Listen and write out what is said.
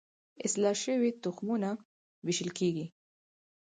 اصلاح شوي تخمونه ویشل کیږي.